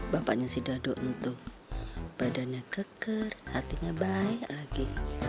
bapaknya si dodo untuk badannya keker hatinya baik lagi